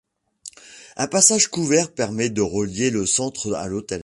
Un passage couvert permet de relier le centre à l'hôtel.